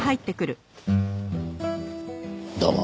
どうも。